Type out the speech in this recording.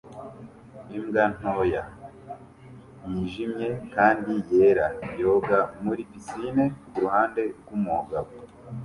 imbwa ntoya yijimye kandi yera yoga muri pisine kuruhande rwumugabo